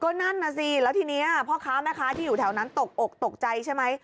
ก็นั่นน่ะสิแล้วทีนี้พ่อค้าแม่ค้าที่อยู่แถวนั้นตกอกตกใจใช่ไหม